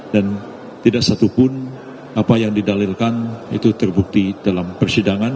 dan tidak satupun apa yang didalilkan itu terbukti dalam persidangan